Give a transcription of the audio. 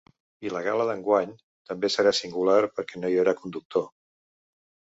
I la gala d’enguany també serà singular perquè no hi haurà conductor.